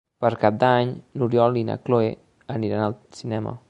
Per Cap d'Any n'Oriol i na Cloè aniran al cinema.